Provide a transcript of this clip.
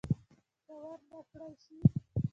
که ور نه کړل شي.